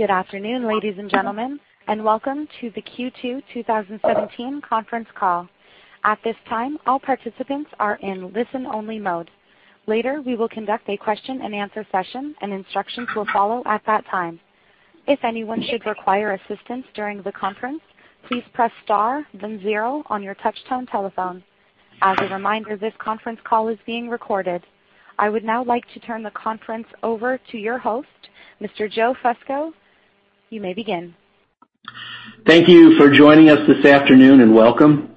Good afternoon, ladies and gentlemen, and welcome to the Q2 2017 conference call. At this time, all participants are in listen-only mode. Later, we will conduct a question and answer session, and instructions will follow at that time. If anyone should require assistance during the conference, please press star then zero on your touch-tone telephone. As a reminder, this conference call is being recorded. I would now like to turn the conference over to your host, Mr. Joseph Fusco. You may begin. Thank you for joining us this afternoon, and welcome.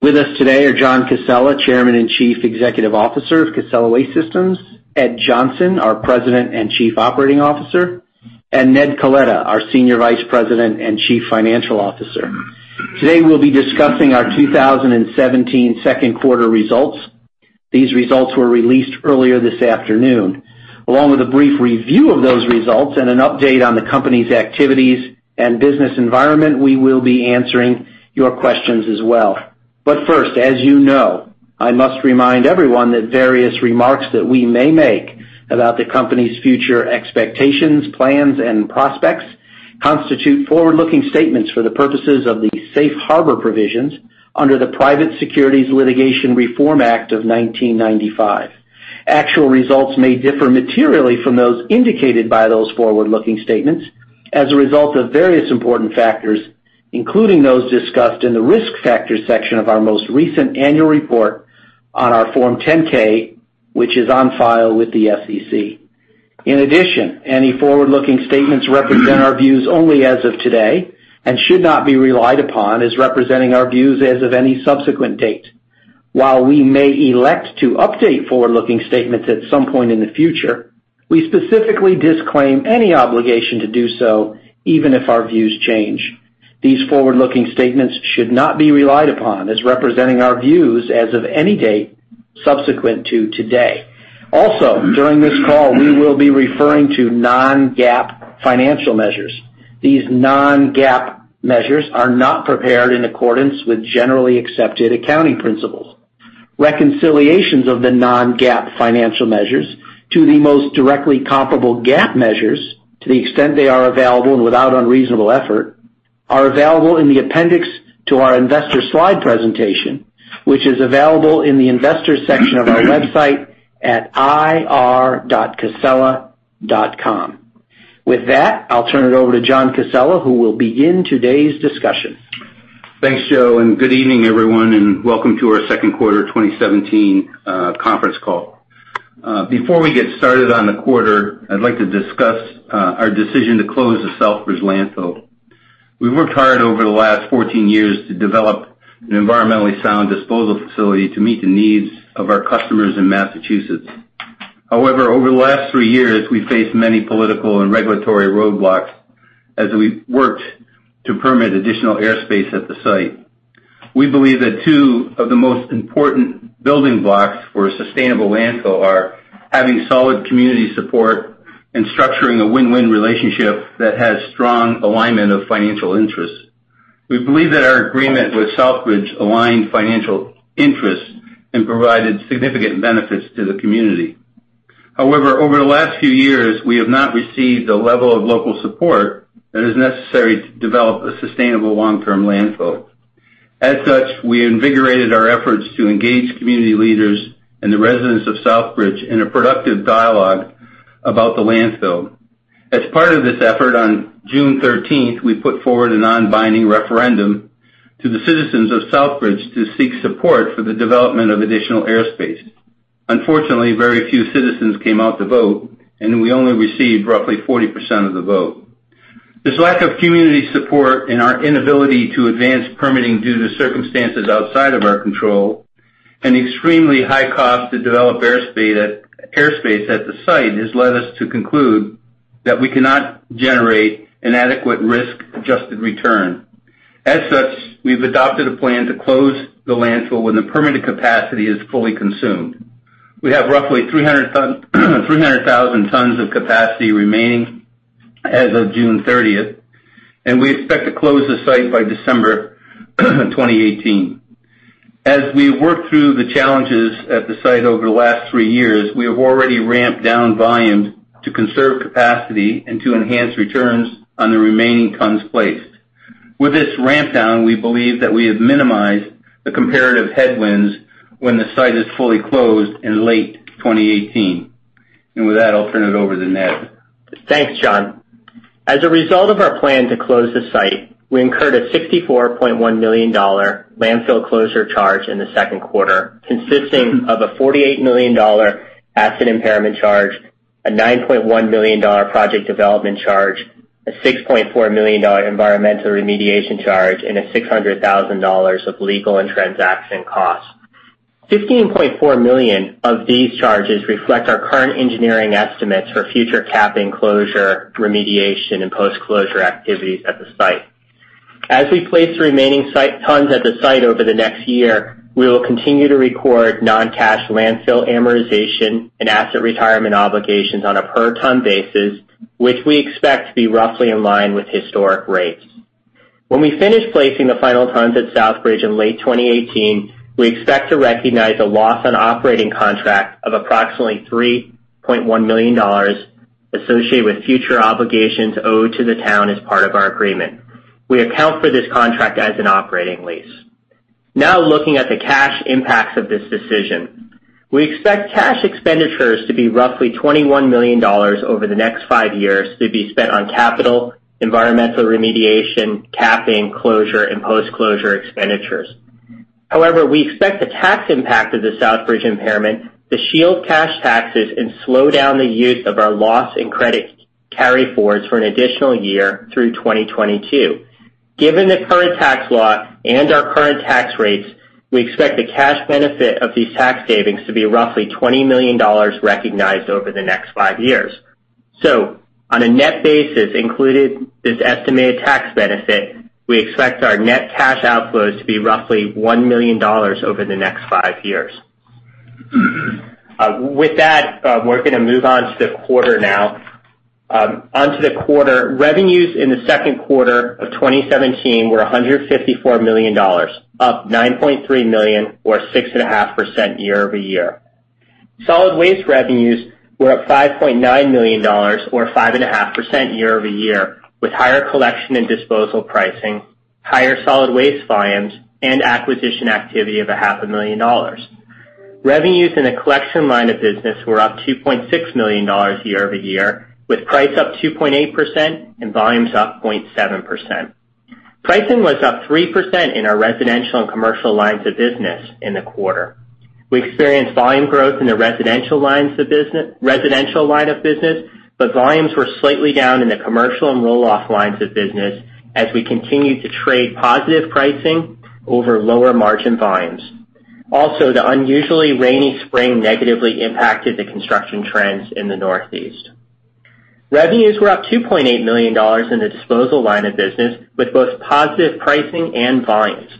With us today are John Casella, Chairman and Chief Executive Officer of Casella Waste Systems, Ed Johnson, our President and Chief Operating Officer, and Ned Coletta, our Senior Vice President and Chief Financial Officer. Today, we will be discussing our 2017 second quarter results. These results were released earlier this afternoon. Along with a brief review of those results and an update on the company's activities and business environment, we will be answering your questions as well. First, as you know, I must remind everyone that various remarks that we may make about the company's future expectations, plans, and prospects constitute forward-looking statements for the purposes of the safe harbor provisions under the Private Securities Litigation Reform Act of 1995. Actual results may differ materially from those indicated by those forward-looking statements as a result of various important factors, including those discussed in the Risk Factors section of our most recent annual report on our Form 10-K, which is on file with the SEC. In addition, any forward-looking statements represent our views only as of today and should not be relied upon as representing our views as of any subsequent date. While we may elect to update forward-looking statements at some point in the future, we specifically disclaim any obligation to do so, even if our views change. These forward-looking statements should not be relied upon as representing our views as of any date subsequent to today. During this call, we will be referring to non-GAAP financial measures. These non-GAAP measures are not prepared in accordance with generally accepted accounting principles. Reconciliations of the non-GAAP financial measures to the most directly comparable GAAP measures, to the extent they are available and without unreasonable effort, are available in the appendix to our investor slide presentation, which is available in the Investors section of our website at ir.casella.com. With that, I will turn it over to John Casella, who will begin today's discussion. Thanks, Joe, good evening, everyone, and welcome to our second quarter 2017 conference call. Before we get started on the quarter, I'd like to discuss our decision to close the Southbridge landfill. We've worked hard over the last 14 years to develop an environmentally sound disposal facility to meet the needs of our customers in Massachusetts. However, over the last three years, we faced many political and regulatory roadblocks as we worked to permit additional airspace at the site. We believe that two of the most important building blocks for a sustainable landfill are having solid community support and structuring a win-win relationship that has strong alignment of financial interests. We believe that our agreement with Southbridge aligned financial interests and provided significant benefits to the community. However, over the last few years, we have not received the level of local support that is necessary to develop a sustainable long-term landfill. As such, we invigorated our efforts to engage community leaders and the residents of Southbridge in a productive dialogue about the landfill. As part of this effort, on June 13th, we put forward a non-binding referendum to the citizens of Southbridge to seek support for the development of additional airspace. Unfortunately, very few citizens came out to vote, and we only received roughly 40% of the vote. This lack of community support and our inability to advance permitting due to circumstances outside of our control and the extremely high cost to develop airspace at the site has led us to conclude that we cannot generate an adequate risk-adjusted return. As such, we've adopted a plan to close the landfill when the permitted capacity is fully consumed. We have roughly 300,000 tons of capacity remaining as of June 30th, and we expect to close the site by December 2018. As we work through the challenges at the site over the last three years, we have already ramped down volume to conserve capacity and to enhance returns on the remaining tons placed. With this ramp down, we believe that we have minimized the comparative headwinds when the site is fully closed in late 2018. With that, I'll turn it over to Ned. Thanks, John. As a result of our plan to close the site, we incurred a $64.1 million landfill closure charge in the second quarter, consisting of a $48 million asset impairment charge, a $9.1 million project development charge, a $6.4 million environmental remediation charge, and $600,000 of legal and transaction costs. $15.4 million of these charges reflect our current engineering estimates for future capping closure, remediation, and post-closure activities at the site. As we place the remaining site tons at the site over the next year, we will continue to record non-cash landfill amortization and asset retirement obligations on a per ton basis, which we expect to be roughly in line with historic rates. When we finish placing the final tons at Southbridge in late 2018, we expect to recognize a loss on operating contract of approximately $3.1 million associated with future obligations owed to the town as part of our agreement. We account for this contract as an operating lease. Looking at the cash impacts of this decision, we expect cash expenditures to be roughly $21 million over the next five years to be spent on capital, environmental remediation, capping, closure, and post-closure expenditures. We expect the tax impact of the Southbridge impairment to shield cash taxes and slow down the use of our loss and credit carryforwards for an additional year through 2022. Given the current tax law and our current tax rates, we expect the cash benefit of these tax savings to be roughly $20 million recognized over the next five years. On a net basis, including this estimated tax benefit, we expect our net cash outflows to be roughly $1 million over the next five years. With that, we're going to move on to the quarter now. On to the quarter, revenues in the second quarter of 2017 were $154 million, up $9.3 million or 6.5% year-over-year. Solid waste revenues were up $5.9 million or 5.5% year-over-year, with higher collection and disposal pricing, higher solid waste volumes, and acquisition activity of a half a million dollars. Revenues in the collection line of business were up $2.6 million year-over-year, with price up 2.8% and volumes up 0.7%. Pricing was up 3% in our residential and commercial lines of business in the quarter. We experienced volume growth in the residential line of business, but volumes were slightly down in the commercial and roll-off lines of business as we continued to trade positive pricing over lower margin volumes. The unusually rainy spring negatively impacted the construction trends in the Northeast. Revenues were up $2.8 million in the disposal line of business, with both positive pricing and volumes.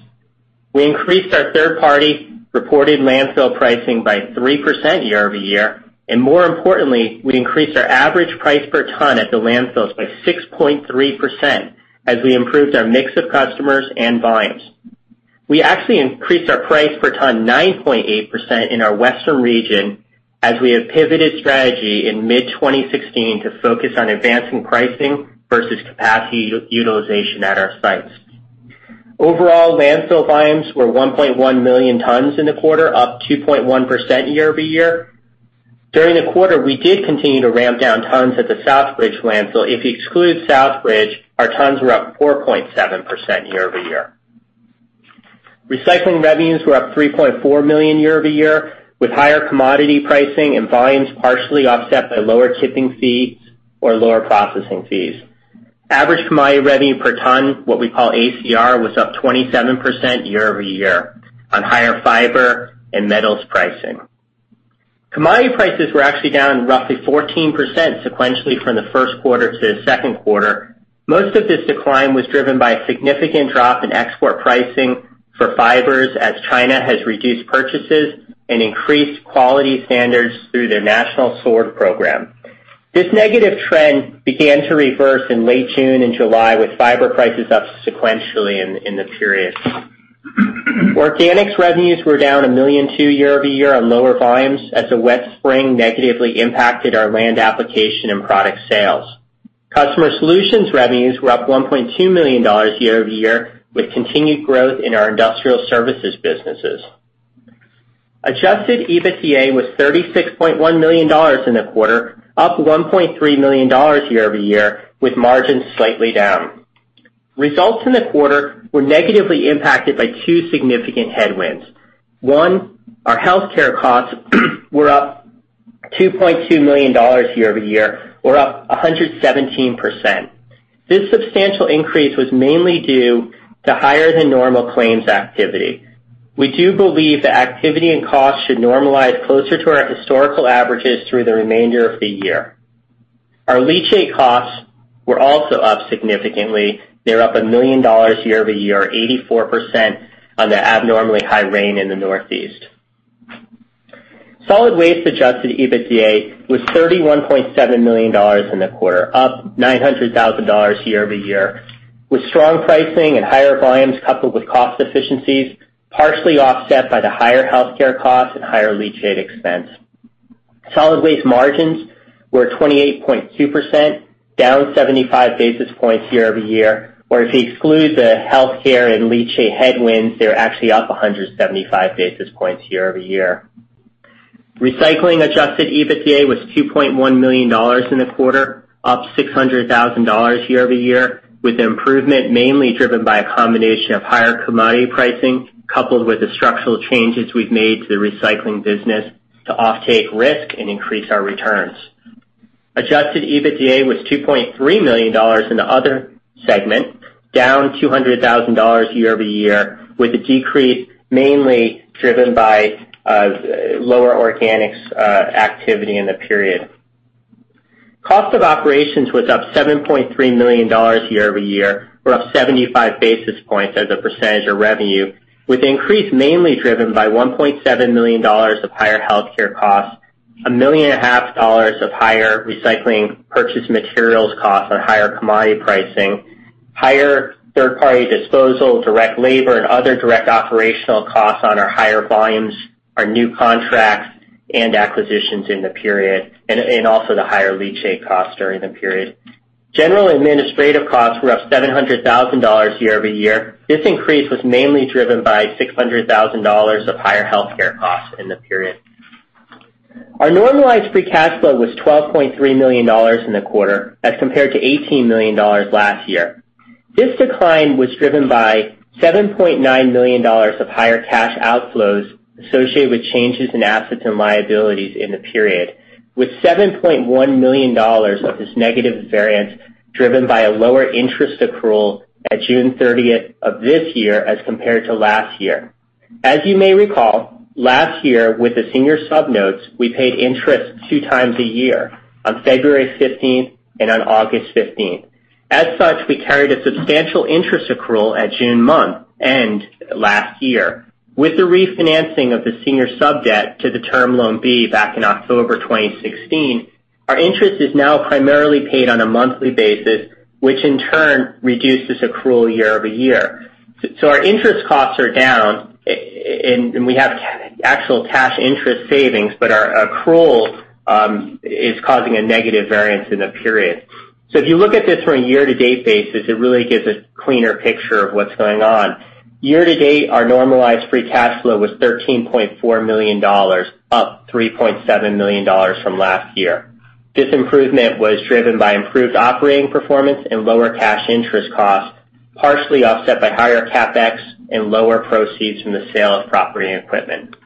We increased our third-party reported landfill pricing by 3% year-over-year. More importantly, we increased our average price per ton at the landfills by 6.3% as we improved our mix of customers and volumes. We actually increased our price per ton 9.8% in our western region as we have pivoted strategy in mid-2016 to focus on advancing pricing versus capacity utilization at our sites. Overall, landfill volumes were 1.1 million tons in the quarter, up 2.1% year-over-year. During the quarter, we did continue to ramp down tons at the Southbridge landfill. If you exclude Southbridge, our tons were up 4.7% year-over-year. Recycling revenues were up $3.4 million year-over-year, with higher commodity pricing and volumes partially offset by lower tipping fees or lower processing fees. Average commodity revenue per ton, what we call ACR, was up 27% year-over-year on higher fiber and metals pricing. Commodity prices were actually down roughly 14% sequentially from the first quarter to the second quarter. Most of this decline was driven by a significant drop in export pricing for fibers as China has reduced purchases and increased quality standards through their National Sword program. This negative trend began to reverse in late June and July, with fiber prices up sequentially in the period. Organics revenues were down $1.2 million year-over-year on lower volumes as the wet spring negatively impacted our land application and product sales. Customer Solutions revenues were up $1.2 million year-over-year, with continued growth in our industrial services businesses. Adjusted EBITDA was $36.1 million in the quarter, up $1.3 million year-over-year, with margins slightly down. Results in the quarter were negatively impacted by two significant headwinds. One, our healthcare costs were up $2.2 million year-over-year or up 117%. This substantial increase was mainly due to higher than normal claims activity. We do believe that activity and costs should normalize closer to our historical averages through the remainder of the year. Our leachate costs were also up significantly. They are up $1 million year-over-year, 84%, on the abnormally high rain in the Northeast. Solid waste adjusted EBITDA was $31.7 million in the quarter, up $900,000 year-over-year, with strong pricing and higher volumes coupled with cost efficiencies, partially offset by the higher healthcare costs and higher leachate expense. Solid waste margins were 28.2%, down 75 basis points year-over-year, where if you exclude the healthcare and leachate headwinds, they are actually up 175 basis points year-over-year. Recycling adjusted EBITDA was $2.1 million in the quarter, up $600,000 year-over-year, with improvement mainly driven by a combination of higher commodity pricing coupled with the structural changes we've made to the recycling business to offtake risk and increase our returns. Adjusted EBITDA was $2.3 million in the other segment, down $200,000 year-over-year, with the decrease mainly driven by lower organics activity in the period. Cost of operations was up $7.3 million year-over-year or up 75 basis points as a percentage of revenue, with increase mainly driven by $1.7 million of higher healthcare costs. A million and a half dollars of higher recycling purchase materials cost on higher commodity pricing, higher third-party disposal, direct labor, and other direct operational costs on our higher volumes, our new contracts and acquisitions in the period, and also the higher leachate cost during the period. General administrative costs were up $700,000 year-over-year. This increase was mainly driven by $600,000 of higher healthcare costs in the period. Our normalized free cash flow was $12.3 million in the quarter as compared to $18 million last year. This decline was driven by $7.9 million of higher cash outflows associated with changes in assets and liabilities in the period, with $7.1 million of this negative variance driven by a lower interest accrual at June 30 of this year as compared to last year. As you may recall, last year with the senior sub-notes, we paid interest two times a year, on February 15 and on August 15. As such, we carried a substantial interest accrual at June month end last year. With the refinancing of the senior sub-debt to the Term Loan B back in October 2016, our interest is now primarily paid on a monthly basis, which in turn reduces accrual year-over-year. Our interest costs are down, and we have actual cash interest savings, but our accrual is causing a negative variance in the period. If you look at this from a year-to-date basis, it really gives a cleaner picture of what's going on. Year-to-date, our normalized free cash flow was $13.4 million, up $3.7 million from last year. This improvement was driven by improved operating performance and lower cash interest costs, partially offset by higher CapEx and lower proceeds from the sale of property and equipment.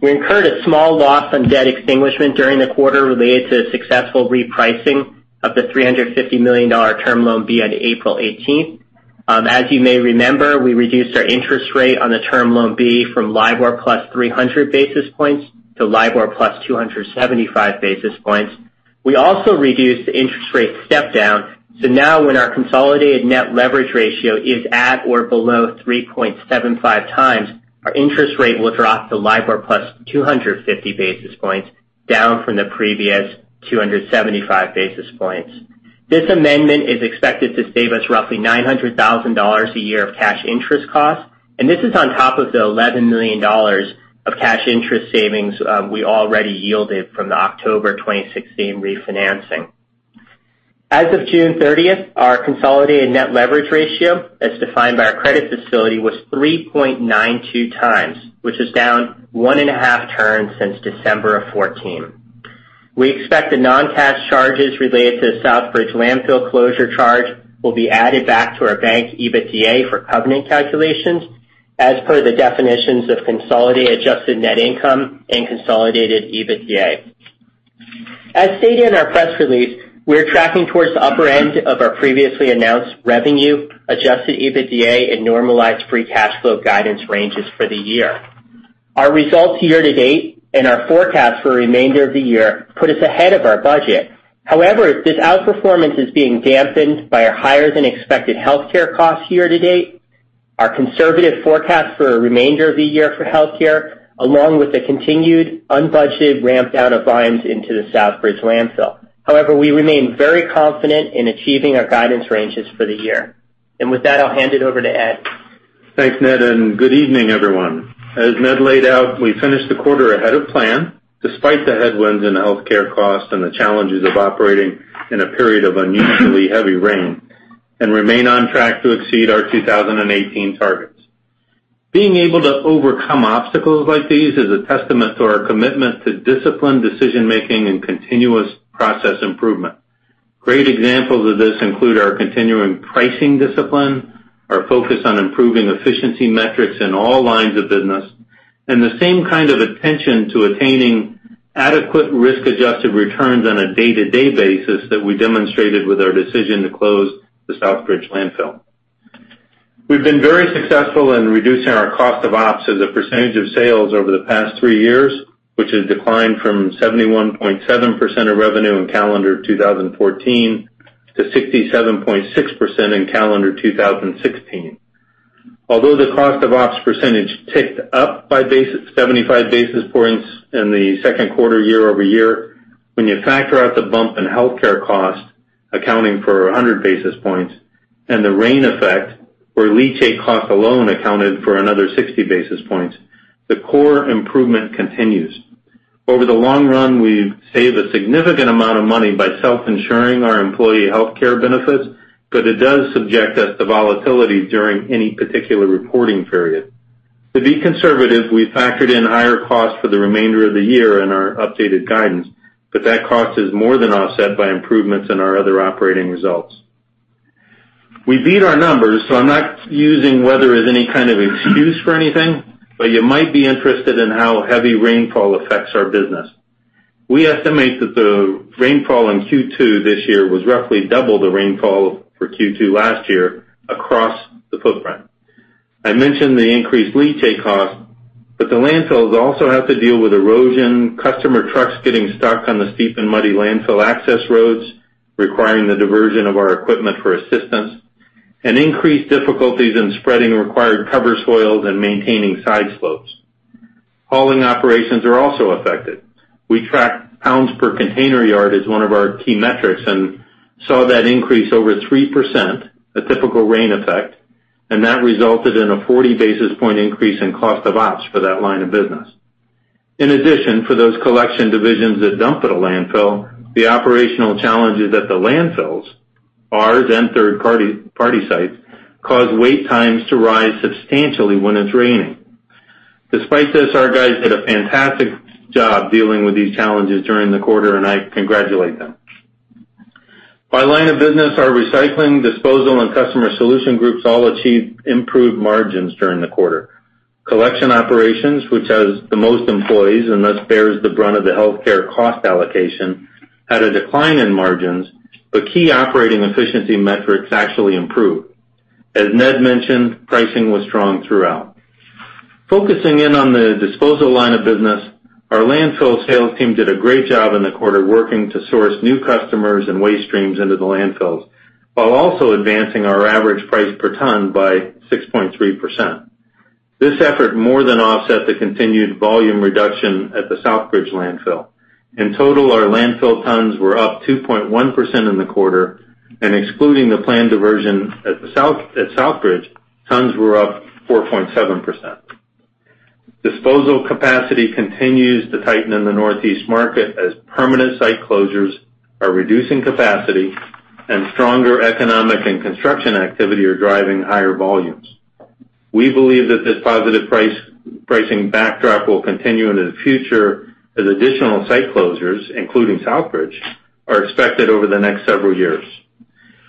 We incurred a small loss on debt extinguishment during the quarter related to the successful repricing of the $350 million Term Loan B on April 18th. As you may remember, we reduced our interest rate on the Term Loan B from LIBOR plus 300 basis points to LIBOR plus 275 basis points. We also reduced the interest rate step-down, now when our consolidated net leverage ratio is at or below 3.75 times, our interest rate will drop to LIBOR plus 250 basis points, down from the previous 275 basis points. This amendment is expected to save us roughly $900,000 a year of cash interest costs, and this is on top of the $11 million of cash interest savings we already yielded from the October 2016 refinancing. As of June 30th, our consolidated net leverage ratio, as defined by our credit facility, was 3.92 times, which is down one and a half turns since December of 2014. We expect the non-cash charges related to the Southbridge landfill closure charge will be added back to our bank EBITDA for covenant calculations as per the definitions of consolidated adjusted net income and consolidated EBITDA. As stated in our press release, we are tracking towards the upper end of our previously announced revenue, adjusted EBITDA, and normalized free cash flow guidance ranges for the year. Our results year-to-date and our forecast for the remainder of the year put us ahead of our budget. However, this outperformance is being dampened by our higher-than-expected healthcare costs year-to-date, our conservative forecast for the remainder of the year for healthcare, along with the continued unbudgeted ramp down of volumes into the Southbridge landfill. However, we remain very confident in achieving our guidance ranges for the year. With that, I'll hand it over to Ed. Thanks, Ned, good evening, everyone. As Ned laid out, we finished the quarter ahead of plan, despite the headwinds in the healthcare costs and the challenges of operating in a period of unusually heavy rain, and remain on track to exceed our 2018 targets. Being able to overcome obstacles like these is a testament to our commitment to disciplined decision-making and continuous process improvement. Great examples of this include our continuing pricing discipline, our focus on improving efficiency metrics in all lines of business, and the same kind of attention to attaining adequate risk-adjusted returns on a day-to-day basis that we demonstrated with our decision to close the Southbridge landfill. We've been very successful in reducing our cost of ops as a percentage of sales over the past three years, which has declined from 71.7% of revenue in calendar 2014 to 67.6% in calendar 2016. Although the cost of ops percentage ticked up by 75 basis points in the second quarter year-over-year, when you factor out the bump in healthcare costs, accounting for 100 basis points, and the rain effect, where leachate costs alone accounted for another 60 basis points, the core improvement continues. Over the long run, we've saved a significant amount of money by self-insuring our employee healthcare benefits, but it does subject us to volatility during any particular reporting period. To be conservative, we factored in higher costs for the remainder of the year in our updated guidance, but that cost is more than offset by improvements in our other operating results. We beat our numbers, so I'm not using weather as any kind of excuse for anything, but you might be interested in how heavy rainfall affects our business. We estimate that the rainfall in Q2 this year was roughly double the rainfall for Q2 last year across the footprint. I mentioned the increased leachate cost, but the landfills also have to deal with erosion, customer trucks getting stuck on the steep and muddy landfill access roads, requiring the diversion of our equipment for assistance. Increased difficulties in spreading required cover soils and maintaining side slopes. Hauling operations are also affected. We track pounds per container yard as one of our key metrics and saw that increase over 3%, a typical rain effect, and that resulted in a 40 basis point increase in cost of ops for that line of business. In addition, for those collection divisions that dump at a landfill, the operational challenges at the landfills, ours and third-party sites, cause wait times to rise substantially when it's raining. Despite this, our guys did a fantastic job dealing with these challenges during the quarter, I congratulate them. By line of business, our recycling, disposal, and Customer Solutions groups all achieved improved margins during the quarter. Collection operations, which has the most employees and thus bears the brunt of the healthcare cost allocation, had a decline in margins, but key operating efficiency metrics actually improved. As Ned mentioned, pricing was strong throughout. Focusing in on the disposal line of business, our landfill sales team did a great job in the quarter, working to source new customers and waste streams into the landfills, while also advancing our average price per ton by 6.3%. This effort more than offset the continued volume reduction at the Southbridge landfill. In total, our landfill tons were up 2.1% in the quarter, and excluding the planned diversion at Southbridge, tons were up 4.7%. Disposal capacity continues to tighten in the Northeast market as permanent site closures are reducing capacity and stronger economic and construction activity are driving higher volumes. We believe that this positive pricing backdrop will continue into the future as additional site closures, including Southbridge, are expected over the next several years.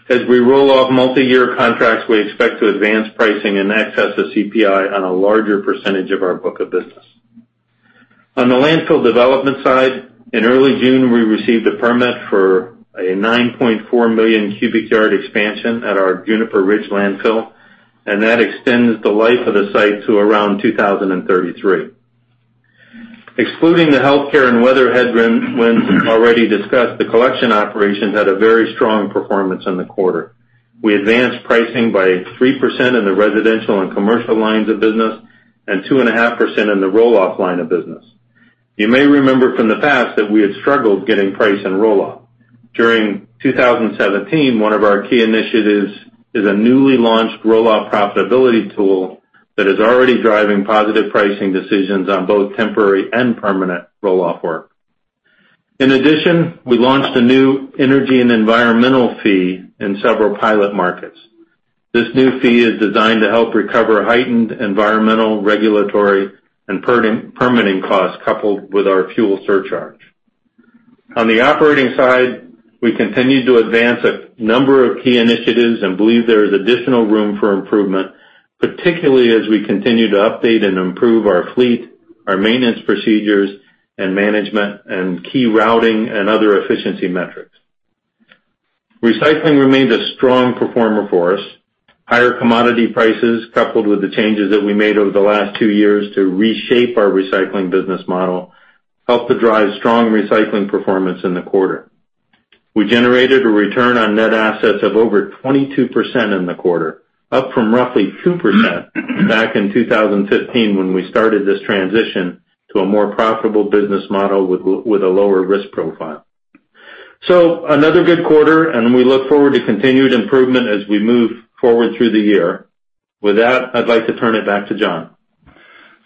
As we roll off multi-year contracts, we expect to advance pricing in excess of CPI on a larger percentage of our book of business. On the landfill development side, in early June, we received a permit for a 9.4 million cubic yard expansion at our Juniper Ridge landfill, and that extends the life of the site to around 2033. Excluding the healthcare and weather headwinds already discussed, the collection operations had a very strong performance in the quarter. We advanced pricing by 3% in the residential and commercial lines of business and 2.5% in the roll-off line of business. You may remember from the past that we had struggled getting price in roll-off. During 2017, one of our key initiatives is a newly launched roll-off profitability tool that is already driving positive pricing decisions on both temporary and permanent roll-off work. In addition, we launched a new Energy and Environmental fee in several pilot markets. This new fee is designed to help recover heightened environmental, regulatory, and permitting costs coupled with our fuel surcharge. On the operating side, we continued to advance a number of key initiatives and believe there is additional room for improvement, particularly as we continue to update and improve our fleet, our maintenance procedures, and management and key routing and other efficiency metrics. Recycling remained a strong performer for us. Higher commodity prices, coupled with the changes that we made over the last two years to reshape our recycling business model, helped to drive strong recycling performance in the quarter. We generated a return on net assets of over 22% in the quarter, up from roughly 2% back in 2015 when we started this transition to a more profitable business model with a lower risk profile. Another good quarter, and we look forward to continued improvement as we move forward through the year. With that, I'd like to turn it back to John.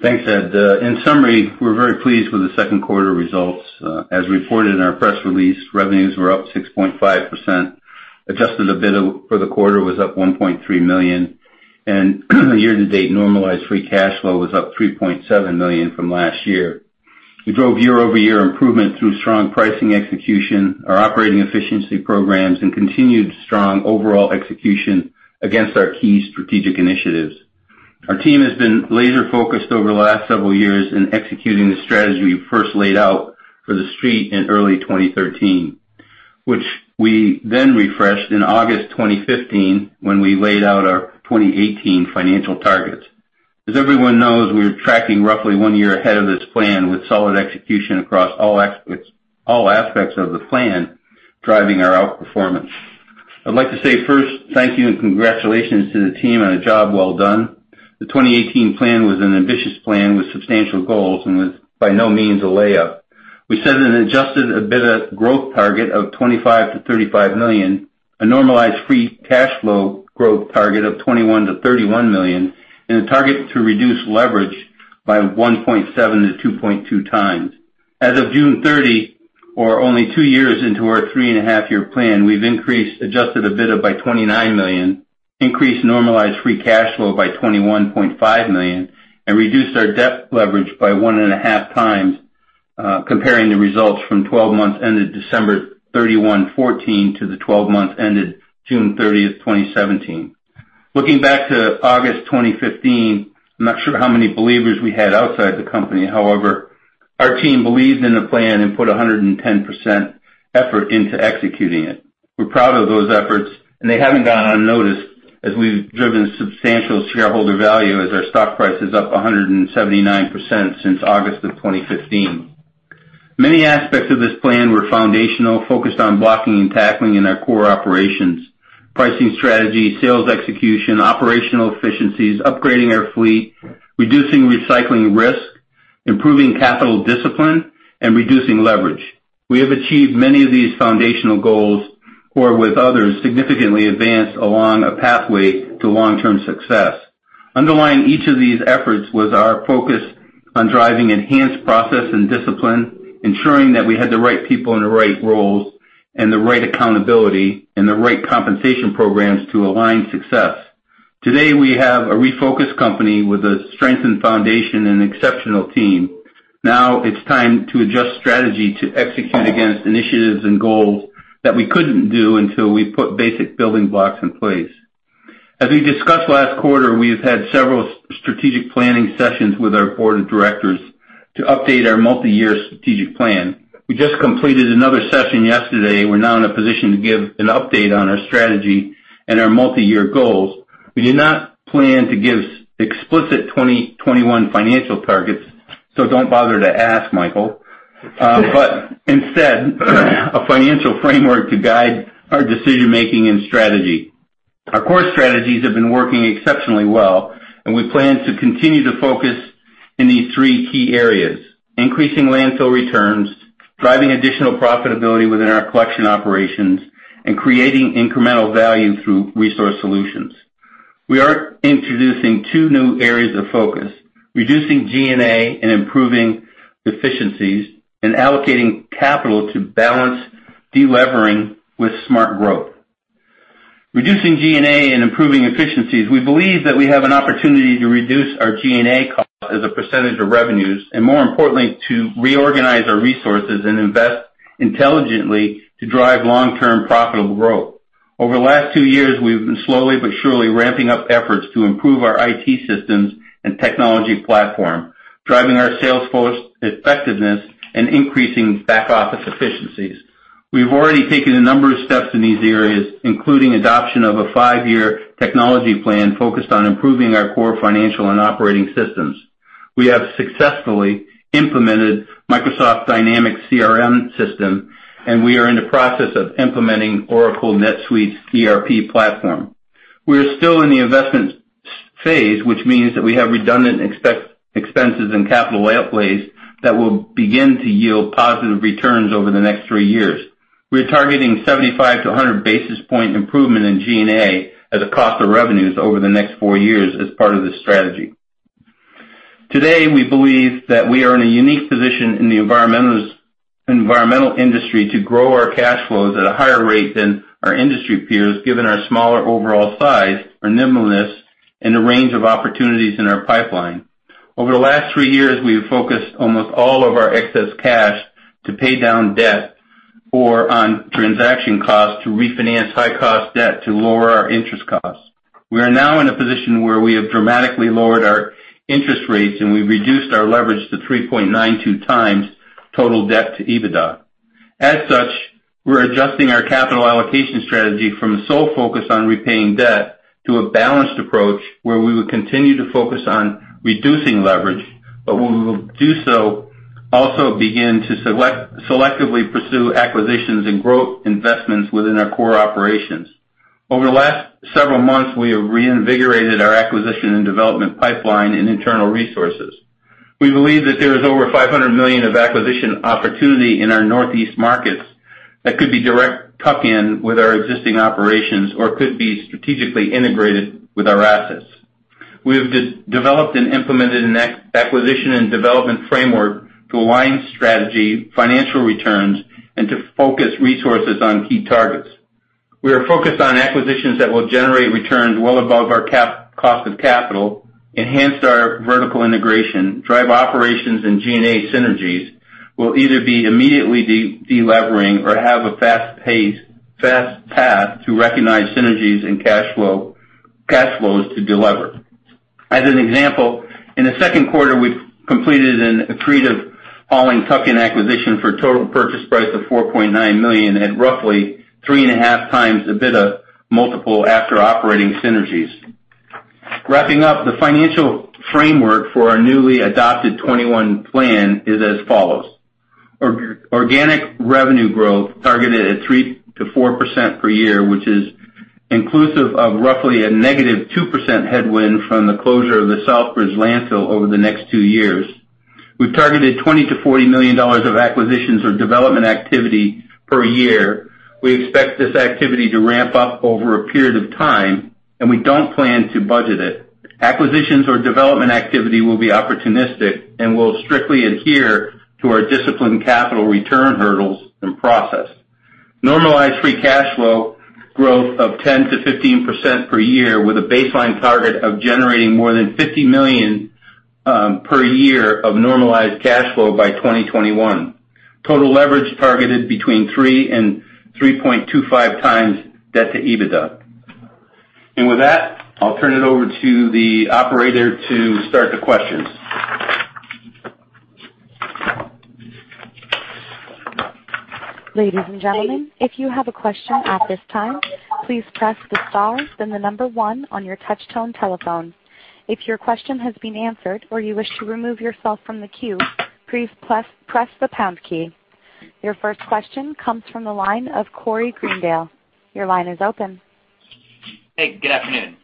Thanks, Ed. In summary, we're very pleased with the second quarter results. As reported in our press release, revenues were up 6.5%. Adjusted EBITDA for the quarter was up $1.3 million. Year-to-date normalized free cash flow was up $3.7 million from last year. We drove year-over-year improvement through strong pricing execution, our operating efficiency programs, and continued strong overall execution against our key strategic initiatives. Our team has been laser-focused over the last several years in executing the strategy we first laid out for the Street in early 2013, which we then refreshed in August 2015 when we laid out our 2018 financial targets. As everyone knows, we are tracking roughly one year ahead of this plan with solid execution across all aspects of the plan driving our outperformance. I'd like to say first thank you and congratulations to the team on a job well done. The 2018 plan was an ambitious plan with substantial goals and was by no means a layup. We set an Adjusted EBITDA growth target of $25 million-$35 million, a Normalized Free Cash Flow growth target of $21 million-$31 million, and a target to reduce leverage by 1.7 to 2.2 times. As of June 30, or only two years into our three-and-a-half-year plan, we've increased Adjusted EBITDA by $29 million, increased Normalized Free Cash Flow by $21.5 million, and reduced our debt leverage by 1.5 times, comparing the results from 12 months ended December 31, 2014, to the 12 months ended June 30th, 2017. Looking back to August 2015, I'm not sure how many believers we had outside the company. However, our team believed in the plan and put 110% effort into executing it. We're proud of those efforts, and they haven't gone unnoticed as we've driven substantial shareholder value as our stock price is up 179% since August of 2015. Many aspects of this plan were foundational, focused on blocking and tackling in our core operations, pricing strategy, sales execution, operational efficiencies, upgrading our fleet, reducing recycling risk, improving capital discipline, and reducing leverage. We have achieved many of these foundational goals or, with others, significantly advanced along a pathway to long-term success. Underlying each of these efforts was our focus on driving enhanced process and discipline, ensuring that we had the right people in the right roles and the right accountability and the right compensation programs to align success. Today, we have a refocused company with a strengthened foundation and exceptional team. Now it's time to adjust strategy to execute against initiatives and goals that we couldn't do until we put basic building blocks in place. As we discussed last quarter, we've had several strategic planning sessions with our board of directors to update our multi-year strategic plan. We just completed another session yesterday. We're now in a position to give an update on our strategy and our multi-year goals. We do not plan to give explicit 2021 financial targets, so don't bother to ask, Michael. Instead, a financial framework to guide our decision-making and strategy. Our core strategies have been working exceptionally well, and we plan to continue to focus in these three key areas. Increasing landfill returns, driving additional profitability within our collection operations, and creating incremental value through resource solutions. We are introducing two new areas of focus. Reducing G&A and improving efficiencies and allocating capital to balance de-levering with smart growth. Reducing G&A and improving efficiencies. We believe that we have an opportunity to reduce our G&A cost as a % of revenues and, more importantly, to reorganize our resources and invest intelligently to drive long-term profitable growth. Over the last two years, we've been slowly but surely ramping up efforts to improve our IT systems and technology platform, driving our sales force effectiveness and increasing back-office efficiencies. We've already taken a number of steps in these areas, including adoption of a five-year technology plan focused on improving our core financial and operating systems. We have successfully implemented Microsoft Dynamics CRM system, and we are in the process of implementing Oracle NetSuite's ERP platform. We are still in the investment phase, which means that we have redundant expenses and capital outlays that will begin to yield positive returns over the next three years. We're targeting 75-100 basis point improvement in G&A as a cost of revenues over the next four years as part of this strategy. Today, we believe that we are in a unique position in the environmental industry to grow our cash flows at a higher rate than our industry peers, given our smaller overall size, our nimbleness, and the range of opportunities in our pipeline. Over the last three years, we have focused almost all of our excess cash to pay down debt or on transaction costs to refinance high-cost debt to lower our interest costs. We are now in a position where we have dramatically lowered our interest rates. We've reduced our leverage to 3.92 times total debt to EBITDA. As such, we're adjusting our capital allocation strategy from sole focus on repaying debt to a balanced approach where we will continue to focus on reducing leverage. We will do so also begin to selectively pursue acquisitions and growth investments within our core operations. Over the last several months, we have reinvigorated our acquisition and development pipeline and internal resources. We believe that there is over $500 million of acquisition opportunity in our Northeast markets that could be direct tuck-in with our existing operations or could be strategically integrated with our assets. We have developed and implemented an acquisition and development framework to align strategy, financial returns, and to focus resources on key targets. We are focused on acquisitions that will generate returns well above our cost of capital, enhance our vertical integration, drive operations and G&A synergies, will either be immediately de-levering or have a fast path to recognize synergies and cash flows to de-lever. As an example, in the second quarter, we completed an accretive hauling tuck-in acquisition for a total purchase price of $4.9 million at roughly three and a half times the EBITDA multiple after operating synergies. Wrapping up the financial framework for our newly adopted 2021 plan is as follows. Organic revenue growth targeted at 3%-4% per year, which is inclusive of roughly a -2% headwind from the closure of the Southbridge landfill over the next two years. We've targeted $20 million-$40 million of acquisitions or development activity per year. We expect this activity to ramp up over a period of time. We don't plan to budget it. Acquisitions or development activity will be opportunistic and will strictly adhere to our disciplined capital return hurdles and process. Normalized free cash flow growth of 10%-15% per year with a baseline target of generating more than $50 million per year of normalized cash flow by 2021. Total leverage targeted between 3 and 3.25 times debt to EBITDA. With that, I'll turn it over to the operator to start the questions. Ladies and gentlemen, if you have a question at this time, please press the star, then the number 1 on your touchtone telephone. If your question has been answered or you wish to remove yourself from the queue, please press the pound key. Your first question comes from the line of Corey Greendale. Your line is open. Hey, good afternoon.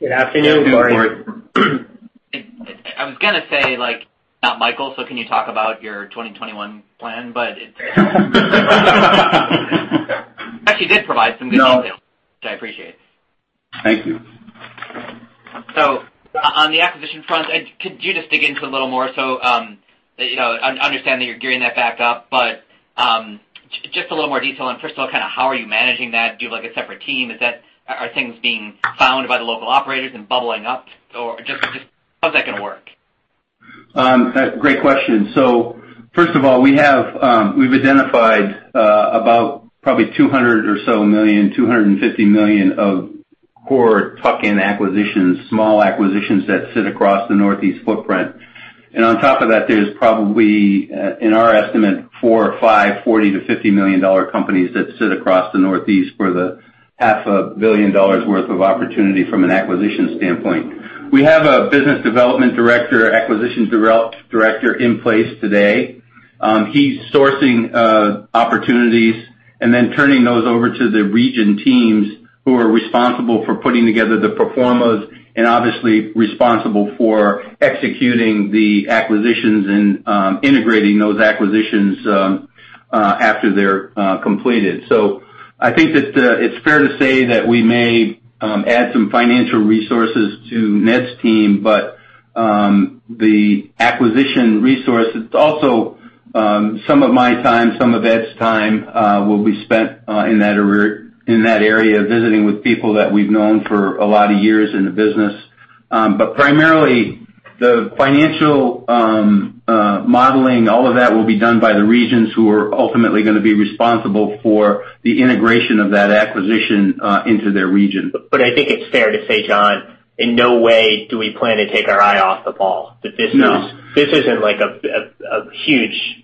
Good afternoon, Corey. I was going to say, I'm not Michael, so can you talk about your 2021 plan. You actually did provide some good details, which I appreciate. Thank you. On the acquisition front, could you just dig into a little more? I understand that you're gearing that back up, but just a little more detail on, first of all, how are you managing that? Do you have a separate team? Are things being found by the local operators and bubbling up? Or just how's that going to work? Great question. First of all, we've identified about probably $200 million or so, $250 million of core tuck-in acquisitions, small acquisitions that sit across the Northeast footprint. On top of that, there's probably, in our estimate, four or five $40 million-$50 million companies that sit across the Northeast for the half a billion dollars worth of opportunity from an acquisition standpoint. We have a business development director, acquisitions director in place today. He's sourcing opportunities and then turning those over to the region teams who are responsible for putting together the performas and obviously responsible for executing the acquisitions and integrating those acquisitions after they're completed. I think that it's fair to say that we may add some financial resources to Ned's team, the acquisition resource is also some of my time, some of Ed's time will be spent in that area, visiting with people that we've known for a lot of years in the business. Primarily, the financial modeling, all of that will be done by the regions who are ultimately going to be responsible for the integration of that acquisition into their region. I think it's fair to say, John, in no way do we plan to take our eye off the ball. No. This isn't like a huge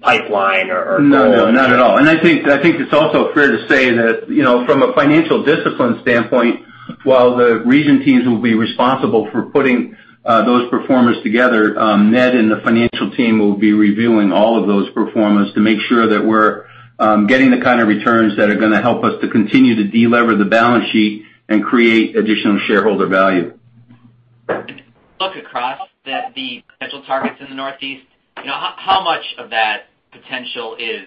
pipeline or- No, not at all. I think it's also fair to say that from a financial discipline standpoint, while the region teams will be responsible for putting those pro formas together, Ned and the financial team will be reviewing all of those pro formas to make sure that we're getting the kind of returns that are going to help us to continue to de-lever the balance sheet and create additional shareholder value. Look across the potential targets in the Northeast, how much of that potential is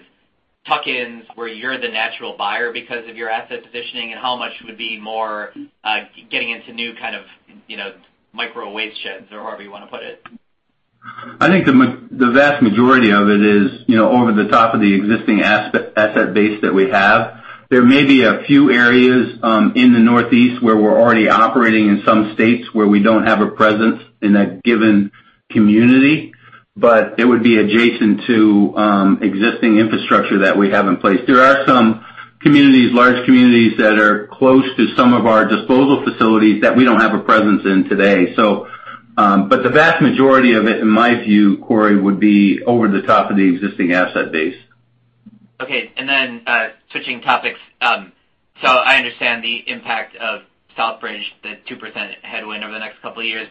tuck-ins where you're the natural buyer because of your asset positioning, and how much would be more getting into new kind of micro waste sheds or however you want to put it? I think the vast majority of it is over the top of the existing asset base that we have. There may be a few areas in the Northeast where we're already operating in some states where we don't have a presence in a given community, but it would be adjacent to existing infrastructure that we have in place. There are some large communities that are close to some of our disposal facilities that we don't have a presence in today. The vast majority of it, in my view, Corey, would be over the top of the existing asset base. Okay, switching topics. I understand the impact of Southbridge, the 2% headwind over the next couple of years.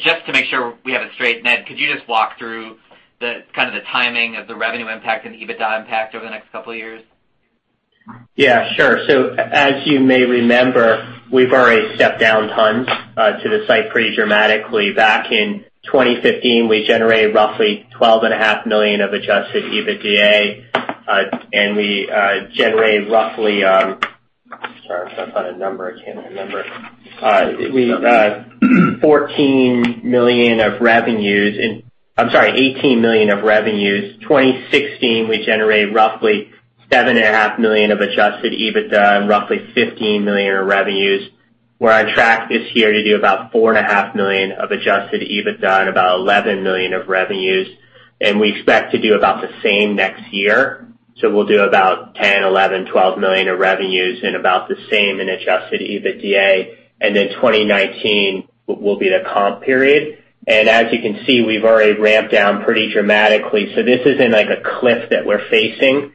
Just to make sure we have it straight, Ned, could you just walk through the timing of the revenue impact and the adjusted EBITDA impact over the next couple of years? Yeah, sure. As you may remember, we've already stepped down tons to the site pretty dramatically. Back in 2015, we generated roughly $12.5 million of adjusted EBITDA, and we generated roughly Sorry, I'm trying to find a number. I can't remember. $14 million of revenues in I'm sorry, $18 million of revenues. 2016, we generated roughly $7.5 million of adjusted EBITDA and roughly $15 million of revenues. We're on track this year to do about $4.5 million of adjusted EBITDA and about $11 million of revenues, and we expect to do about the same next year. We'll do about $10, $11, $12 million of revenues and about the same in adjusted EBITDA. 2019 will be the comp period. As you can see, we've already ramped down pretty dramatically. This isn't like a cliff that we're facing.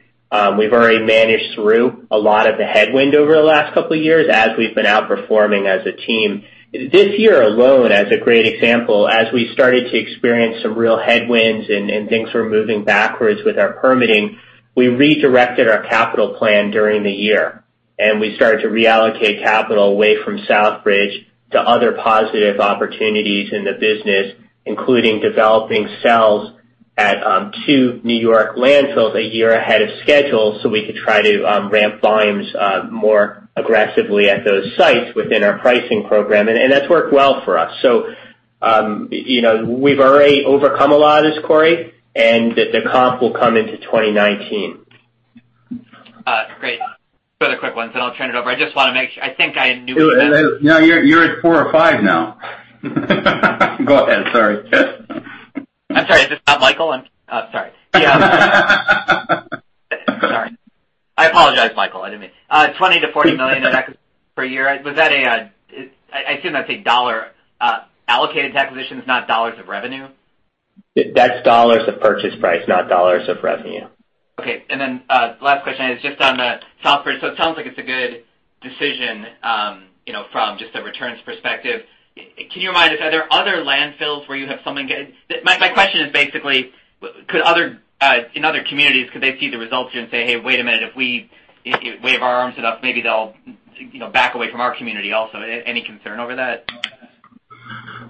We've already managed through a lot of the headwind over the last couple of years as we've been outperforming as a team. This year alone, as a great example, as we started to experience some real headwinds and things were moving backwards with our permitting, we redirected our capital plan during the year, and we started to reallocate capital away from Southbridge to other positive opportunities in the business, including developing cells at two New York landfills a year ahead of schedule so we could try to ramp volumes more aggressively at those sites within our pricing program, and that's worked well for us. We've already overcome a lot of this, Corey, and the comp will come into 2019. Great. Another quick one, then I'll turn it over. I just want to make sure. No, you're at four or five now. Go ahead, sorry. I'm sorry. Is this not Michael? I'm sorry. Sorry. I apologize, Michael. I didn't mean $20 million-$40 million in that per year. I assume that's a dollar allocated to acquisitions, not dollars of revenue? That's dollars of purchase price, not dollars of revenue. Okay. Last question is just on the software. It sounds like it's a good decision, from just a returns perspective. Can you remind us, are there other landfills where you have? My question is basically, in other communities, could they see the results here and say, "Hey, wait a minute, if we wave our arms enough, maybe they'll back away from our community also." Any concern over that?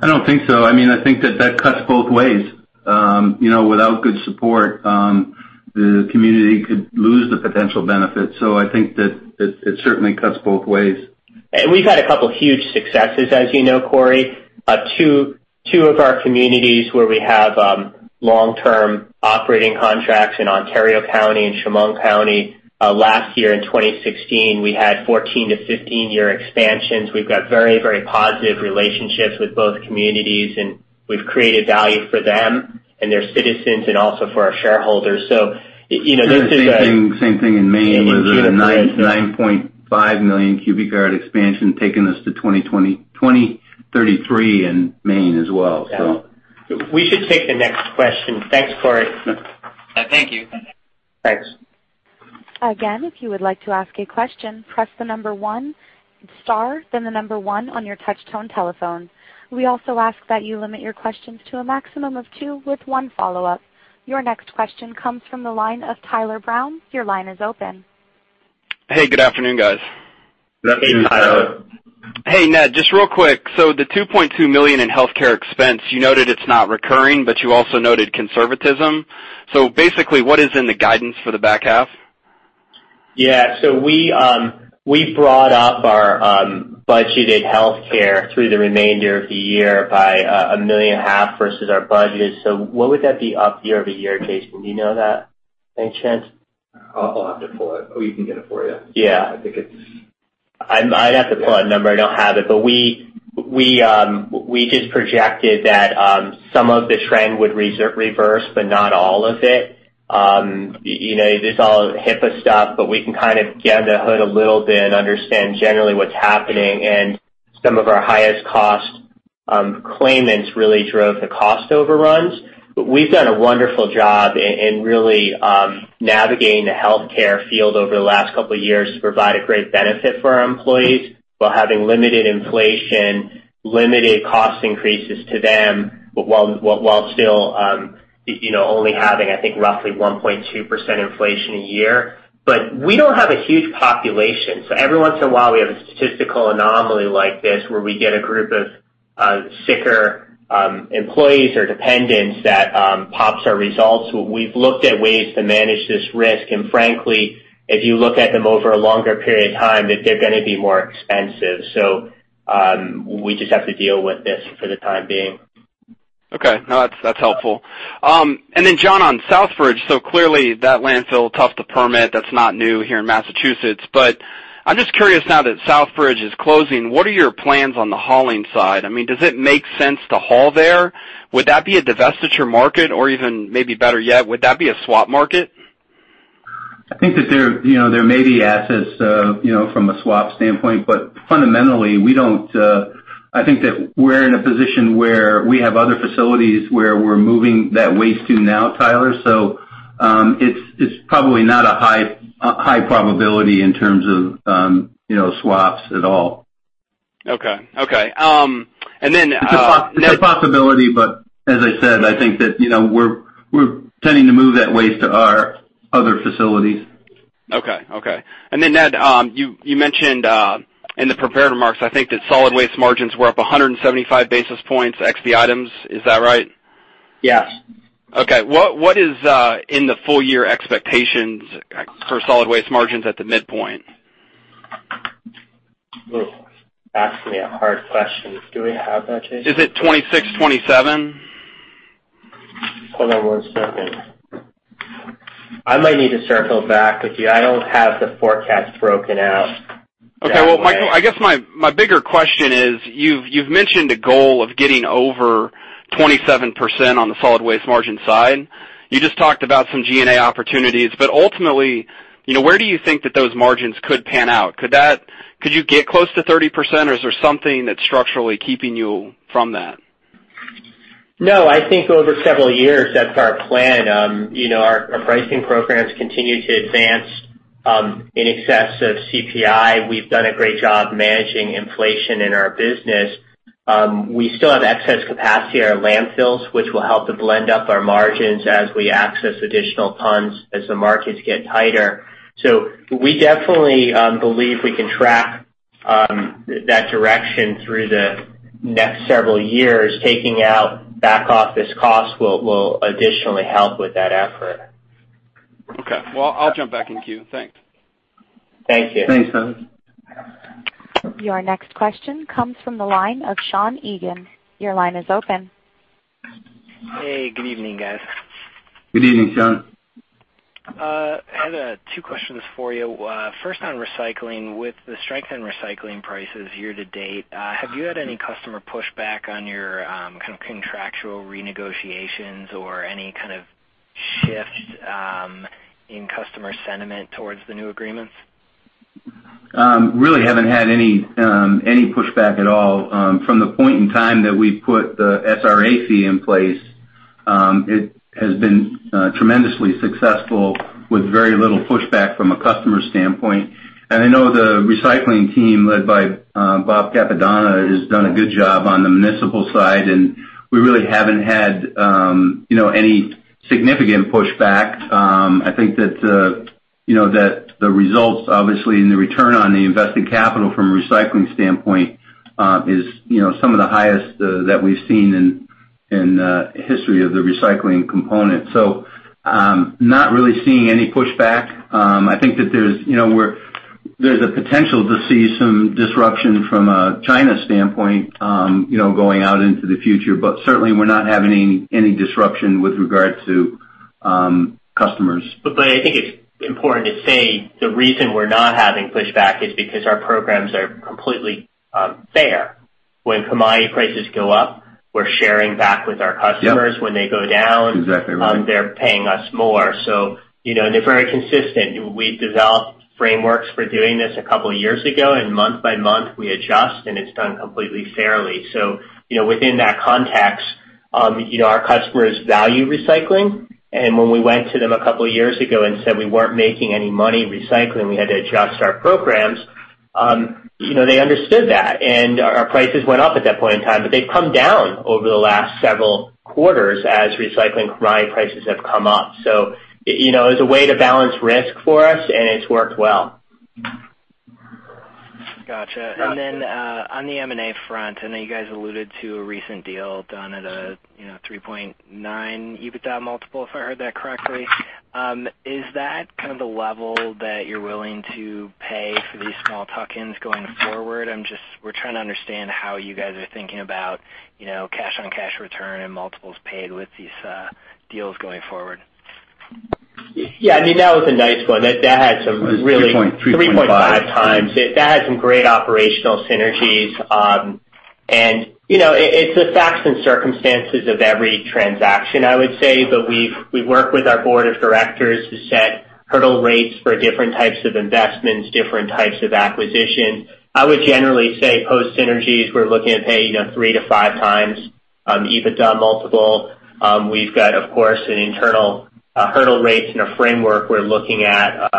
I don't think so. I think that cuts both ways. Without good support, the community could lose the potential benefit. I think that it certainly cuts both ways. We've had a couple huge successes, as you know, Corey. Two of our communities where we have long-term operating contracts in Ontario County and Chemung County. Last year, in 2016, we had 14 to 15-year expansions. We've got very positive relationships with both communities, and we've created value for them and their citizens and also for our shareholders. This is a. Same thing in Maine. In June of this year. where there's a 9.5 million cubic yard expansion taking us to 2033 in Maine as well. We should take the next question. Thanks, Corey. Thank you. Thanks. Again, if you would like to ask a question, press the number 1, star, then the number 1 on your touch tone telephone. We also ask that you limit your questions to a maximum of two with one follow-up. Your next question comes from the line of Tyler Brown. Your line is open. Hey, good afternoon, guys. Good afternoon, Tyler. Hey, Ned. Just real quick, the $2.2 million in healthcare expense, you noted it's not recurring, but you also noted conservatism. Basically, what is in the guidance for the back half? We brought up our budgeted healthcare through the remainder of the year by a million and a half versus our budget is. What would that be up year-over-year, Jason? Do you know that by any chance? I'll have to pull it. We can get it for you. I think it's I'd have to pull a number. I don't have it, but we just projected that some of the trend would reverse, but not all of it. This is all HIPAA stuff, but we can kind of get under the hood a little bit and understand generally what's happening. Some of our highest cost claimants really drove the cost overruns. We've done a wonderful job in really navigating the healthcare field over the last couple of years to provide a great benefit for our employees while having limited inflation, limited cost increases to them, while still only having, I think, roughly 1.2% inflation a year. We don't have a huge population. Every once in a while, we have a statistical anomaly like this where we get a group of sicker employees or dependents that pops our results. We've looked at ways to manage this risk, and frankly, if you look at them over a longer period of time, they're going to be more expensive. We just have to deal with this for the time being. Okay. No, that's helpful. John, on Southbridge, clearly that landfill, tough to permit, that's not new here in Massachusetts. I'm just curious now that Southbridge is closing, what are your plans on the hauling side? Does it make sense to haul there? Would that be a divestiture market? Even maybe better yet, would that be a swap market? I think that there may be assets from a swap standpoint, fundamentally, I think that we're in a position where we have other facilities where we're moving that waste to now, Tyler, it's probably not a high probability in terms of swaps at all. Okay. It's a possibility, as I said, I think that we're tending to move that waste to our other facilities. Okay. And then Ned, you mentioned in the prepared remarks, I think that solid waste margins were up 175 basis points ex the items. Is that right? Yes. Okay. What is in the full year expectations for solid waste margins at the midpoint? Asking me a hard question. Do we have that, Jason? Is it 26, 27? Hold on one second. I might need to circle back with you. I don't have the forecast broken out that way. Okay. Well, Michael, I guess my bigger question is, you've mentioned a goal of getting over 27% on the solid waste margin side. You just talked about some G&A opportunities. Ultimately, where do you think that those margins could pan out? Could you get close to 30% or is there something that's structurally keeping you from that? No, I think over several years, that's our plan. Our pricing programs continue to advance in excess of CPI. We've done a great job managing inflation in our business. We still have excess capacity at our landfills, which will help to blend up our margins as we access additional tons as the markets get tighter. We definitely believe we can track that direction through the next several years. Taking out back office costs will additionally help with that effort. Okay. Well, I'll jump back in queue. Thanks. Thank you. Thanks, Tyler. Your next question comes from the line of Sean Egan. Your line is open. Hey, good evening, guys. Good evening, Sean. I have two questions for you. First, on recycling. With the strength in recycling prices year to date, have you had any customer pushback on your contractual renegotiations or any kind of shifts in customer sentiment towards the new agreements? Really haven't had any pushback at all. From the point in time that we put the SRA fee in place, it has been tremendously successful with very little pushback from a customer standpoint. I know the recycling team led by Bob Cappadona, has done a good job on the municipal side, and we really haven't had any significant pushback. I think that the results, obviously, and the return on the invested capital from a recycling standpoint is some of the highest that we've seen in the history of the recycling component. Not really seeing any pushback. I think that there's a potential to see some disruption from a China standpoint, going out into the future. Certainly, we're not having any disruption with regard to customers. I think it's important to say the reason we're not having pushback is because our programs are completely fair. When commodity prices go up, we're sharing back with our customers. Yep. When they go down- Exactly right they're paying us more. They're very consistent. We've developed frameworks for doing this a couple of years ago, and month by month, we adjust, and it's done completely fairly. Within that context, our customers value recycling, and when we went to them a couple of years ago and said we weren't making any money in recycling, we had to adjust our programs, they understood that. Our prices went up at that point in time, but they've come down over the last several quarters as recycling commodity prices have come up. As a way to balance risk for us, and it's worked well. Got you. Then, on the M&A front, I know you guys alluded to a 3.9 EBITDA multiple, if I heard that correctly. Is that kind of the level that you're willing to pay for these small tuck-ins going forward? We're trying to understand how you guys are thinking about cash on cash return and multiples paid with these deals going forward. Yeah. That was a nice one. It was 3.5. 3.5 times. That had some great operational synergies. It's the facts and circumstances of every transaction, I would say. We work with our board of directors to set hurdle rates for different types of investments, different types of acquisition. I would generally say post synergies, we're looking at paying 3 to 5 times EBITDA multiple. We've got, of course, an internal hurdle rates and a framework we're looking at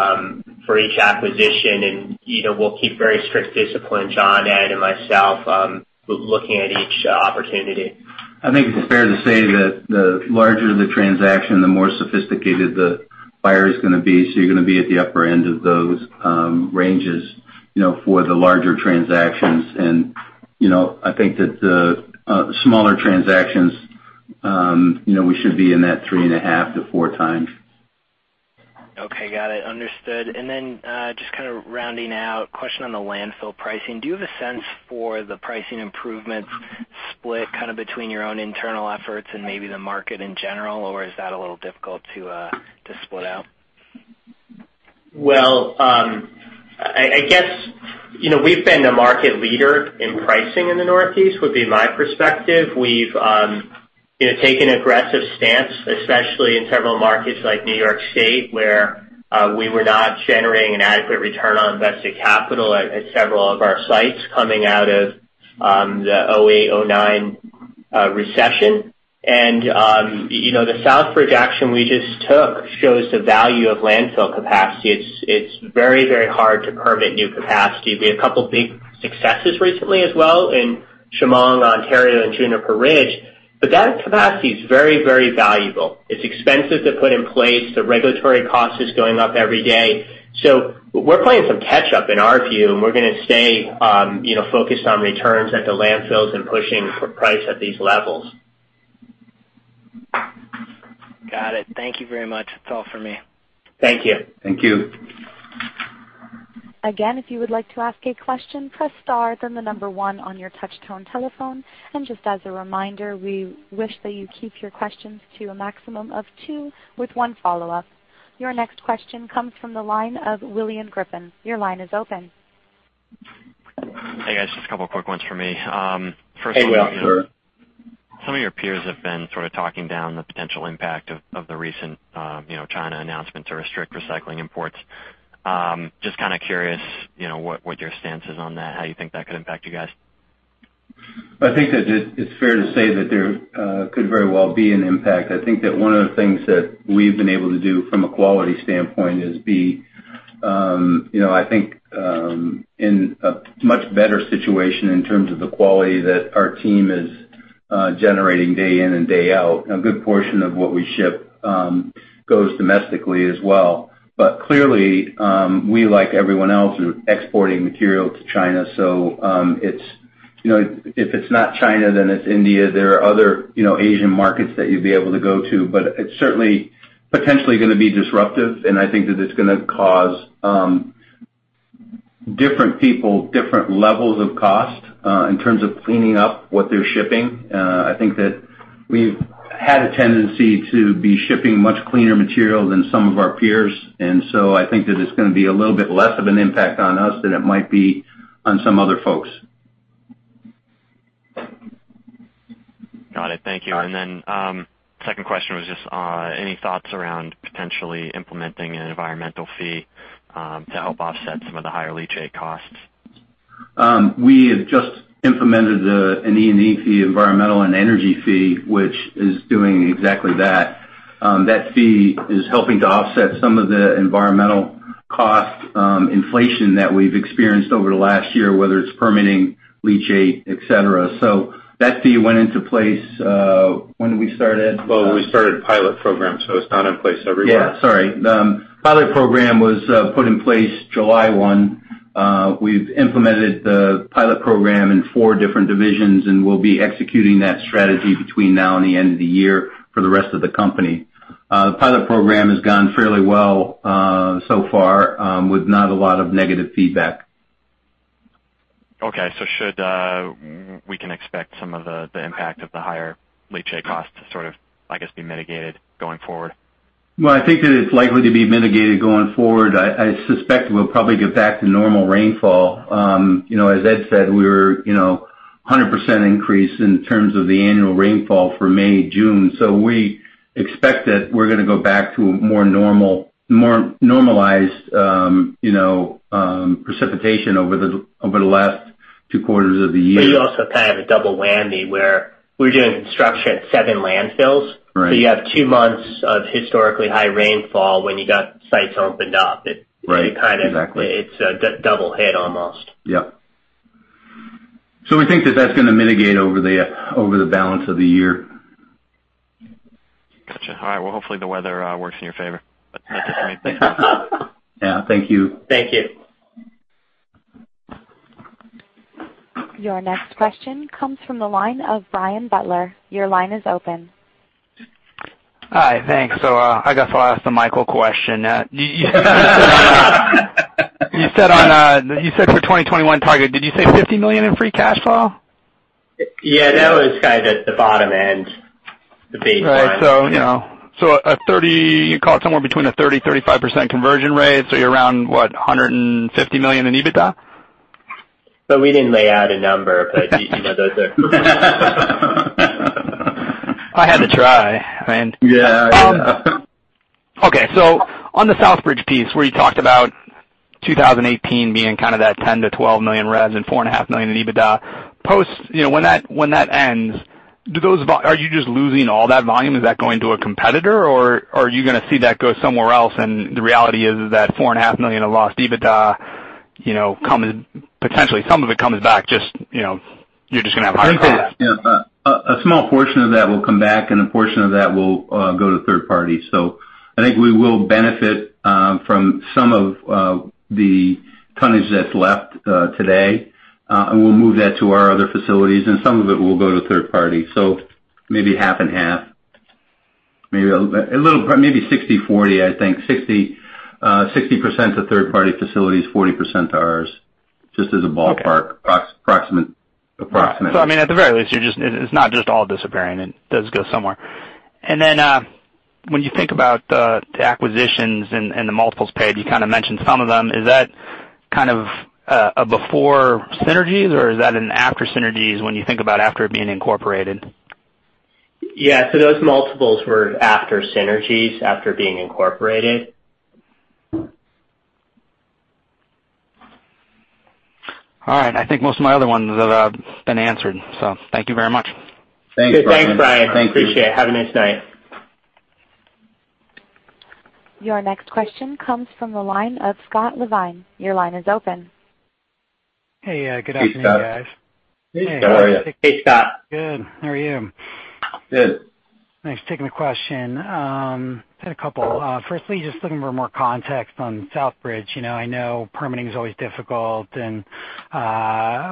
for each acquisition, and we'll keep very strict discipline, John and myself, looking at each opportunity. I think it's fair to say that the larger the transaction, the more sophisticated the buyer is going to be, so you're going to be at the upper end of those ranges for the larger transactions. I think that the smaller transactions, we should be in that three and a half to four times. Okay. Got it. Understood. Just kind of rounding out, question on the landfill pricing. Do you have a sense for the pricing improvements split kind of between your own internal efforts and maybe the market in general, or is that a little difficult to split out? Well, I guess, we've been the market leader in pricing in the Northeast, would be my perspective. We've taken an aggressive stance, especially in several markets like New York State, where we were not generating an adequate return on invested capital at several of our sites coming out of the 2008, 2009 recession. The Southbridge action we just took shows the value of landfill capacity. It's very hard to permit new capacity. We have a couple of big successes recently as well in Chemung, Ontario, and Juniper Ridge, but that capacity is very valuable. It's expensive to put in place. The regulatory cost is going up every day. We're playing some catch up in our view, and we're going to stay focused on returns at the landfills and pushing for price at these levels. Got it. Thank you very much. That's all for me. Thank you. Thank you. Again, if you would like to ask a question, press star, then the number 1 on your touch-tone telephone. Just as a reminder, we wish that you keep your questions to a maximum of two with one follow-up. Your next question comes from the line of William Griffin. Your line is open. Hey, guys, just a couple of quick ones for me. First one- Hey, William. Sure. Some of your peers have been sort of talking down the potential impact of the recent China announcement to restrict recycling imports. Just kind of curious, what your stance is on that, how you think that could impact you guys. I think that it's fair to say that there could very well be an impact. I think that one of the things that we've been able to do from a quality standpoint is be in a much better situation in terms of the quality that our team is generating day in and day out. A good portion of what we ship goes domestically as well. Clearly, we, like everyone else, are exporting material to China. If it's not China, then it's India. There are other Asian markets that you'd be able to go to. It's certainly potentially going to be disruptive, and I think that it's going to cause different people, different levels of cost, in terms of cleaning up what they're shipping. I think that we've had a tendency to be shipping much cleaner material than some of our peers, I think that it's going to be a little bit less of an impact on us than it might be on some other folks. Got it. Thank you. Second question was just, any thoughts around potentially implementing an environmental fee to help offset some of the higher leachate costs? We have just implemented an Energy and Environmental fee, environmental and energy fee, which is doing exactly that. That fee is helping to offset some of the environmental cost inflation that we've experienced over the last year, whether it's permitting, leachate, et cetera. That fee went into place, when we started? Well, we started a pilot program, it's not in place everywhere. Yeah, sorry. The pilot program was put in place July 1. We've implemented the pilot program in four different divisions, we'll be executing that strategy between now and the end of the year for the rest of the company. The pilot program has gone fairly well so far, with not a lot of negative feedback. Okay. Should we can expect some of the impact of the higher leachate costs to, I guess, be mitigated going forward? Well, I think that it's likely to be mitigated going forward. I suspect we'll probably get back to normal rainfall. As Ed said, we were at 100% increase in terms of the annual rainfall for May, June. We expect that we're going to go back to a more normalized precipitation over the last two quarters of the year. You also have a double whammy where we're doing construction at seven landfills. Right. You have two months of historically high rainfall when you got sites opened up. Right. Exactly. It's a double hit almost. Yep. We think that's going to mitigate over the balance of the year. Got you. All right. Hopefully the weather works in your favor. That's it for me. Thank you. Yeah. Thank you. Thank you. Your next question comes from the line of Brian Butler. Your line is open. Hi. Thanks. I guess I'll ask the Michael question. You said for 2021 target, did you say $50 million in free cash flow? Yeah, that was kind of at the bottom end, the baseline. Right. You call it somewhere between a 30%-35% conversion rate. You're around, what, $150 million in EBITDA? We didn't lay out a number, but those are I had to try, man. Yeah. On the Southbridge piece where you talked about 2018 being kind of that $10 million-$12 million revs and $4.5 million in EBITDA, post, when that ends, are you just losing all that volume? Is that going to a competitor, or are you going to see that go somewhere else, and the reality is that $4.5 million of lost EBITDA, potentially some of it comes back, just you're just going to have higher costs? A small portion of that will come back, and a portion of that will go to third party. I think we will benefit from some of the tonnage that's left today, and we'll move that to our other facilities, and some of it will go to third party. Maybe half and half. Maybe 60/40, I think. 60% to third party facilities, 40% to ours, just as a ballpark approximate. I mean, at the very least, it's not just all disappearing. It does go somewhere. When you think about the acquisitions and the multiples paid, you kind of mentioned some of them. Is that kind of a before synergies, or is that an after synergies when you think about after it being incorporated? Yeah. Those multiples were after synergies, after being incorporated. All right. I think most of my other ones have been answered. Thank you very much. Thanks, Brian. Thanks, Brian. Appreciate it. Have a nice night. Your next question comes from the line of Scott Levine. Your line is open. Hey, good afternoon, guys. Hey, Scott. How are you? Hey, Scott. Good. How are you? Good. Thanks for taking the question. I had a couple. Firstly, just looking for more context on Southbridge. I know permitting is always difficult and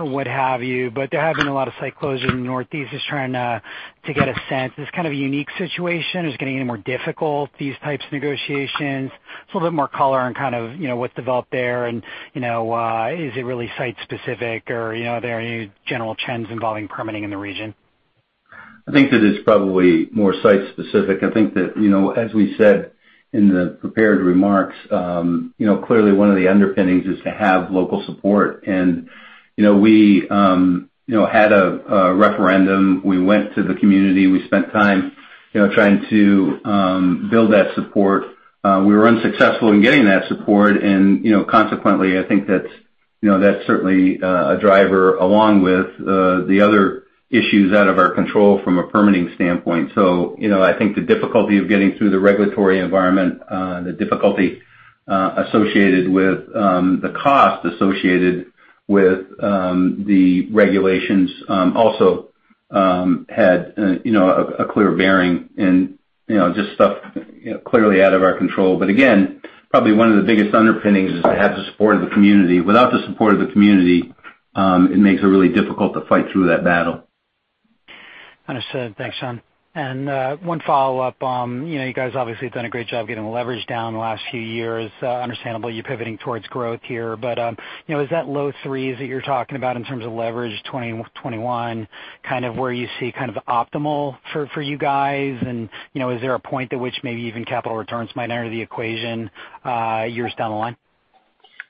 what have you. There have been a lot of site closures in the Northeast. Just trying to get a sense, is this kind of a unique situation? Is it getting any more difficult, these types of negotiations? Just a little bit more color on what developed there. Is it really site specific, or are there any general trends involving permitting in the region? It's probably more site specific. As we said in the prepared remarks, clearly one of the underpinnings is to have local support. We had a referendum. We went to the community. We spent time trying to build that support. We were unsuccessful in getting that support, and consequently, I think that's certainly a driver, along with the other issues out of our control from a permitting standpoint. I think the difficulty of getting through the regulatory environment, the difficulty associated with the cost associated with the regulations also had a clear bearing and just stuff clearly out of our control. Probably one of the biggest underpinnings is to have the support of the community. Without the support of the community, it makes it really difficult to fight through that battle. Understood. Thanks, John. One follow-up. You guys obviously have done a great job getting the leverage down the last few years. Understandably, you're pivoting towards growth here. Is that low threes that you're talking about in terms of leverage 2021, kind of where you see optimal for you guys? Is there a point at which maybe even capital returns might enter the equation years down the line?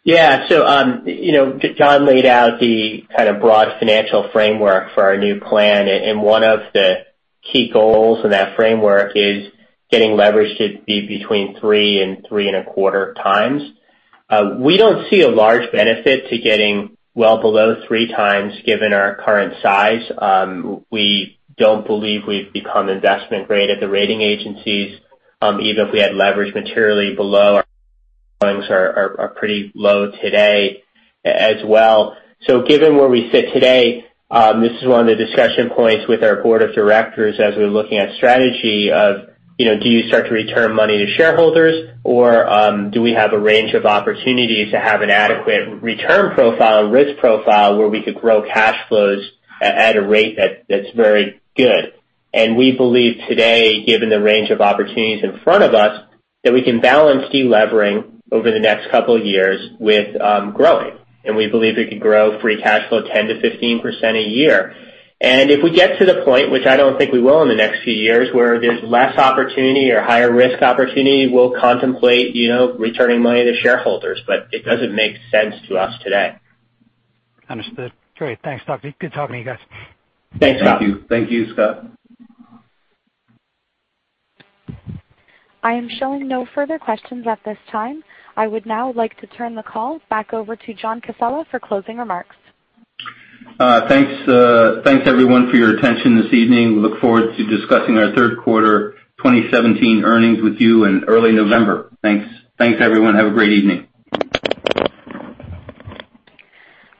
Yeah. John laid out the kind of broad financial framework for our new plan, and one of the key goals in that framework is getting leverage to be between three and three and a quarter times. We don't see a large benefit to getting well below three times, given our current size. We don't believe we've become investment grade at the rating agencies, even if we had leverage materially below our pretty low today as well. Given where we sit today, this is one of the discussion points with our board of directors as we're looking at strategy of, do you start to return money to shareholders or do we have a range of opportunities to have an adequate return profile and risk profile where we could grow cash flows at a rate that's very good? We believe today, given the range of opportunities in front of us, that we can balance delevering over the next couple of years with growing, we believe we could grow free cash flow 10% to 15% a year. If we get to the point, which I don't think we will in the next few years, where there's less opportunity or higher risk opportunity, we'll contemplate returning money to shareholders. It doesn't make sense to us today. Understood. Great. Thanks. Good talking to you guys. Thanks, Scott. Thank you. Thank you, Scott. I am showing no further questions at this time. I would now like to turn the call back over to John Casella for closing remarks. Thanks, everyone, for your attention this evening. We look forward to discussing our third quarter 2017 earnings with you in early November. Thanks. Thanks, everyone. Have a great evening.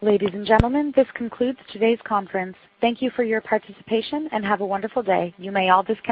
Ladies and gentlemen, this concludes today's conference. Thank you for your participation, and have a wonderful day. You may all disconnect.